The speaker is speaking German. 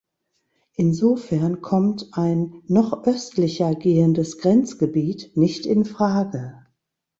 Insofern kommt ein noch östlicher gehendes Grenzgebiet nicht in Frage.